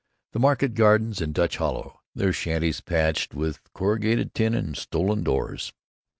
The market gardens in Dutch Hollow, their shanties patched with corrugated iron and stolen doors.